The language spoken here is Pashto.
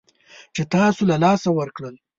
چې تاسو له لاسه ورکړل